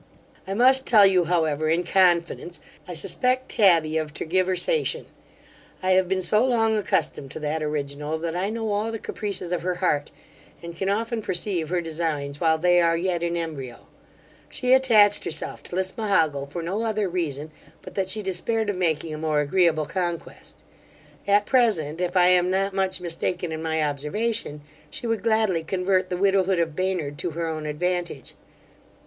I must tell you, however, in confidence, I suspect Tabby of tergiversation. I have been so long accustomed to that original, that I know all the caprices of her heart, and can often perceive her designs while they are yet in embrio She attached herself to Lismahago for no other reason but that she despaired of making a more agreeable conquest. At present, if I am not much mistaken in my observation, she would gladly convert the widowhood of Baynard to her own advantage.